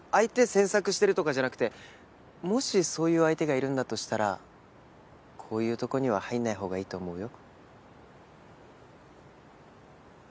詮索してるとかじゃなくてもしそういう相手がいるんだとしたらこういうとこには入んないほうがいいと思うよ。